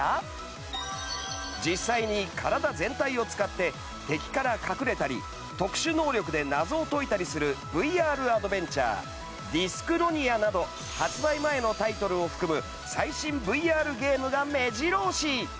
実際に体全体を使って敵から隠れたり特殊能力で謎を解いたりするＶＲアドベンチャー『ＤＹＳＣＨＲＯＮＩＡ』など発売前のタイトルを含む最新ＶＲゲームが目白押し！